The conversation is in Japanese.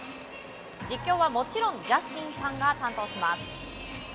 実況はもちろんジャスティンさんが担当します。